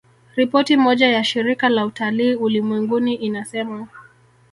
Ripoti moja ya Shirika la Utalii Ulimwenguni inasema